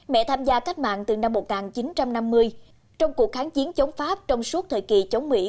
mẹ tham gia cách mạng từ năm một nghìn chín trăm năm mươi